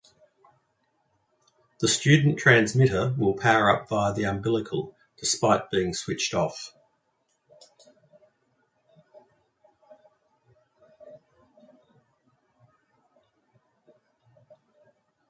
The student transmitter will power up via the umbilical despite being switched off.